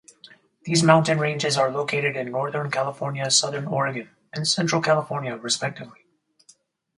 These mountain ranges are located in northern California-southern Oregon, and central California respectively.